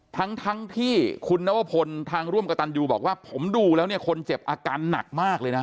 ทั้งทั้งที่คุณนวพลทางร่วมกับตันยูบอกว่าผมดูแล้วเนี่ยคนเจ็บอาการหนักมากเลยนะ